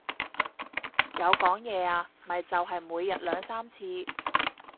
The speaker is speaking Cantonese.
有講嘢啊，咪就係每日兩三次